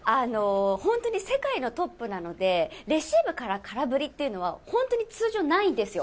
本当に世界のトップなので、レシーブから空振りっていうのは、本当に通常ないんですよ。